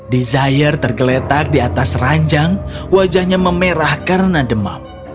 desire tergeletak di atas ranjang wajahnya memerah karena demam